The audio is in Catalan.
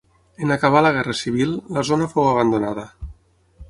En acabar la Guerra Civil, la zona fou abandonada.